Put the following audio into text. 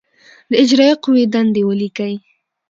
د اجرائیه قوې دندې ولیکئ.